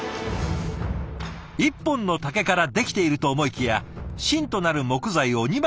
１本の竹からできていると思いきや芯となる木材を２枚の竹で挟んだ